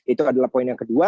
itu adalah poin yang kedua